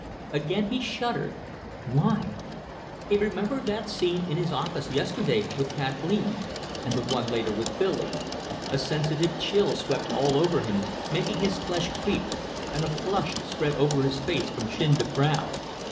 Again he shuddered. Why? He remembered that scene in his office yesterday with Kathleen, and the one later with Billy. A sensitive chill swept all over him, making his flesh creep, and a flush sped over his face from chin to brow.